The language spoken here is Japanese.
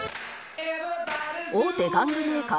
大手玩具メーカー